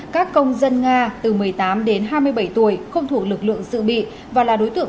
các công dân nga từ một mươi tám đến hai mươi bảy tuổi không thuộc lực lượng dự bị và là đối tượng